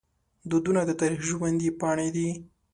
دودونه د تاریخ ژوندي پاڼې دي.